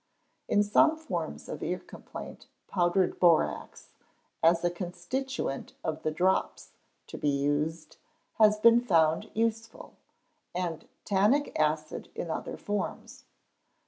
In some forms of ear complaint powdered borax, as a constituent of the "drops" to be used has been found useful, and tannic acid in other forms.